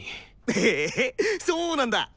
へえそうなんだ！